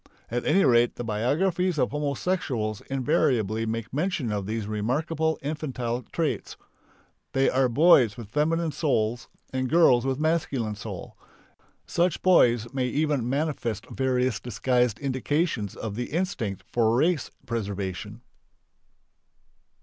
At any rate the biographies of homosexuals invariably make mention of these remarkable infantile traits. They are boys with female souls and girls with a masculine soul. Such boys may even manifest various disguised indications of the instinct for race preservation.